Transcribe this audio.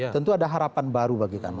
tentu ada harapan baru bagi kami